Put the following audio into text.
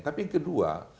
tapi yang kedua